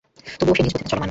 তবুও সে নিজ গতিতে চলমান।